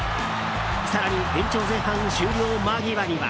更に延長前半終了間際には。